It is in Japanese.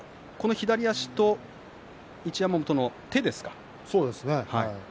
左足と一山本の手ですね。